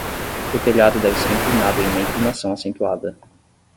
O telhado deve ser inclinado em uma inclinação acentuada.